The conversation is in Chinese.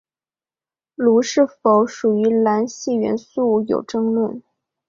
镥是否属于镧系元素有争论。